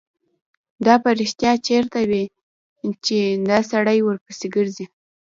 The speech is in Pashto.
دا به رښتیا چېرته وي چې دا سړی ورپسې ګرځي.